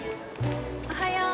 おはよう。